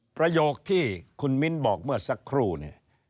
ประโยคที่คุณมิ้นบอกเมื่อสักครู่เนี่ย